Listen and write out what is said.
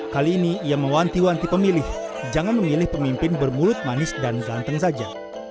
kali ini ia mewanti wanti pemilih jangan memilih pemimpin bermulut manis dan ganteng saja